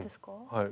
はい。